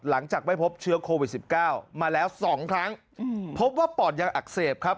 หลังจากไม่พบเชื้อโควิด๑๙มาแล้วสองครั้งพบว่าปอดยังอักเสบครับ